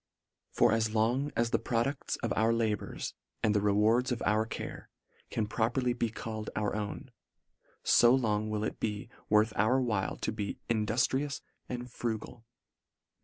For as long as the produces of our labours and the rewards of our care, can properly be called our own, fo long will it be worth our while to be in duftrious and frugal.